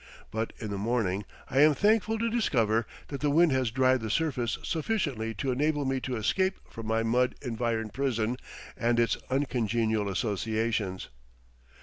But in the morning I am thankful to discover that the wind has dried the surface sufficiently to enable me to escape from my mud environed prison and its uncongenial associations.